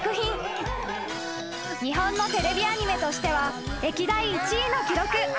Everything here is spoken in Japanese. ［日本のテレビアニメとしては歴代１位の記録